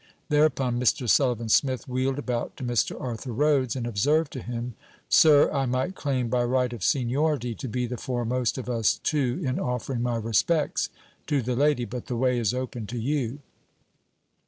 Thereupon Mr. Sullivan Smith wheeled about to Mr. Arthur Rhodes and observed to him: 'Sir, I might claim, by right of seniority, to be the foremost of us two in offering my respects to the lady, but the way is open to you.'